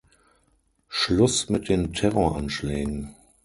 Schluss mit den Terroranschlägen!